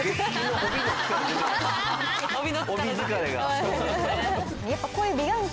帯疲れが。